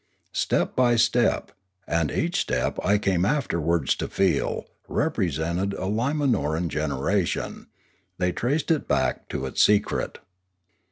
Step by step (and each step, I came after wards to feel, represented a Limanoran generation) they traced it back to its secret.